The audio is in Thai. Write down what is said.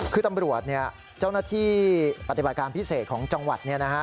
คือตำรวจเนี่ยเจ้าหน้าที่ปฏิบัติการพิเศษของจังหวัดเนี่ยนะฮะ